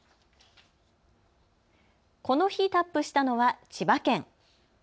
この日タップしたのは千葉県。